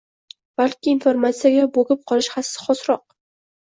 balki informatsiyaga bo‘kib qolish xosroq.